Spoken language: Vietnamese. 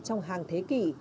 trong hàng thế kỷ